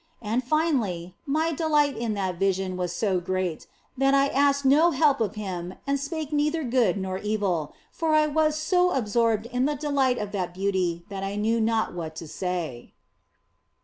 And finally, my delight in that vision was so great that I asked no help of Him and spake neither good nor evil, for I was so absorbed in the delight of that beauty that I knew not what to say.